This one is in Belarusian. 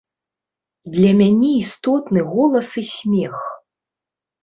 Для мяне істотны голас і смех.